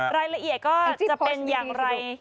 รายละเอียดก็จะเป็นอย่างไร